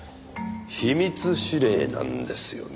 秘密指令なんですよね。